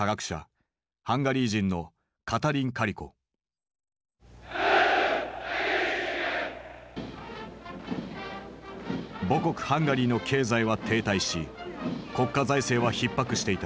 ハンガリー人の母国ハンガリーの経済は停滞し国家財政はひっ迫していた。